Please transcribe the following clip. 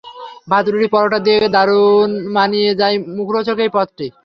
ভাত, রুটি, পরোটা দিয়ে দারুন মানিয়ে যায় মুখোরোচক এই পদটি।